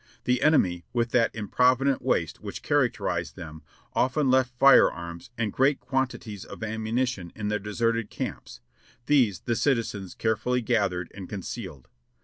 The enemy, with that im provident waste which characterized them, often left firearms and great quantities of ammunition in their deserted camps ; these the citizens carefully gathered and concealed.